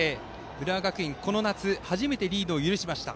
浦和学院、この夏初めてリードを許しました。